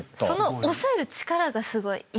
その抑える力がすごい。